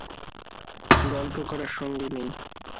গল্প করার সঙ্গী নেই।